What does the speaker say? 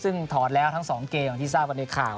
ซึ่งถอดแล้วทั้ง๒เกมอย่างที่ทราบกันในข่าว